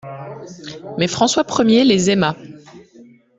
Mais François Ier les aima.